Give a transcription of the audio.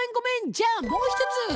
じゃあもう一つ！